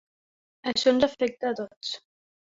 Això ens afecta a tots.